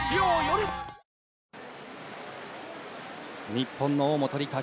日本の大本里佳